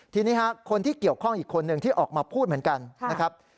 ทีนี้คนที่เกี่ยวข้องอีกคนนึงที่ออกมาพูดเหมือนกันนะครับ